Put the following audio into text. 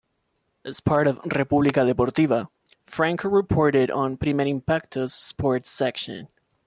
As part of "Republica Deportiva", Franco reported on "Primer Impacto"s sports section.